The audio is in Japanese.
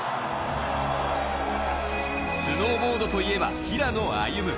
スノーボードといえば平野歩夢。